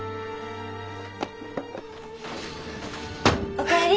・お帰り。